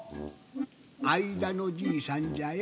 あいだのじいさんじゃよ。